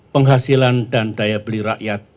penghasilan dan daya beli rakyat